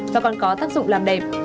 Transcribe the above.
và còn có tác dụng làm đẹp